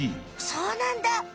そうなんだ！